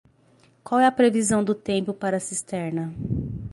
Qual é a previsão do tempo para Cisterna?